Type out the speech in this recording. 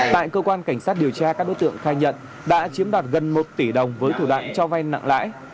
tại cơ quan cảnh sát điều tra các đối tượng khai nhận đã chiếm đoạt gần một tỷ đồng với thủ đoạn cho vay nặng lãi